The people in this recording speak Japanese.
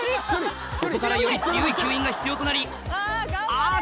ここからより強い吸引が必要となりあぁ